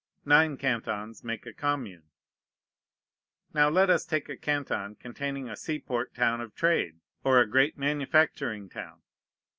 Nine cantons make a commune. Now let us take a canton containing a seaport town of trade, or a great manufacturing town.